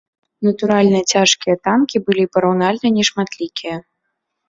Натуральна цяжкія танкі былі параўнальна нешматлікія.